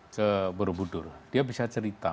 ke borobudur dia bisa cerita